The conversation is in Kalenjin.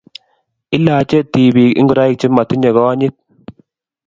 ilochi tibiik ngoroik chematinyei konyit